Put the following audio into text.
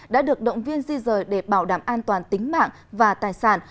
đã được động viên di rời để bảo đảm an toàn tính mạng và tài sản